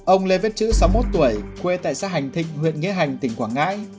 ông lê viết chữ sáu mươi một tuổi quê tại xã hành thịnh huyện nghĩa hành tỉnh quảng ngãi